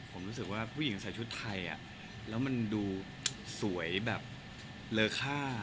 ผมรู้สึกว่าผู้หญิงใส่ชุดไทยแล้วมันดูสวยแบบเลอค่า